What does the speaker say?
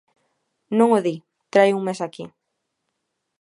Non o di, trae un mes aquí.